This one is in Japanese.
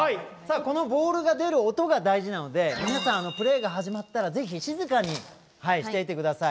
このボールが出る音が大事なので皆さん、プレーが始まったらぜひ静かにしていてください。